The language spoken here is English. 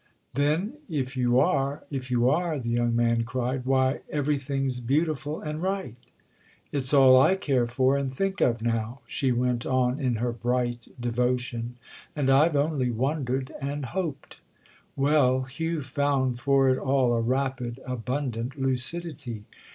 "Then if you are, if you are," the young man cried, "why everything's beautiful and right!" "It's all I care for and think of now," she went on in her bright devotion, "and I've only wondered and hoped!" Well, Hugh found for it all a rapid, abundant lucidity.